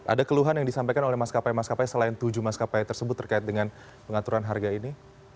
ada keluhan yang disampaikan oleh maskapai maskapai selain tujuh maskapai tersebut terkait dengan pengaturan harga ini